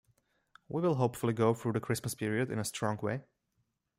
We will hopefully go through the Christmas period in a strong way.